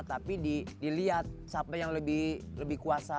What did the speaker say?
tapi dilihat siapa yang lebih kuasa